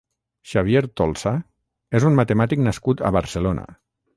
Xavier Tolsa és un matemàtic nascut a Barcelona.